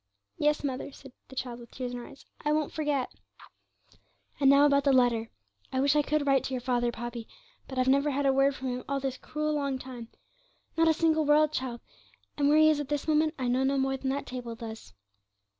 'Yes, mother,' said the child, with tears in her eyes; 'I won't forget.' 'And now about the letter; I wish I could write to your father, Poppy, but I've never had a word from him all this cruel long time not a single word, child; and where he is at this moment I know no more than that table does.'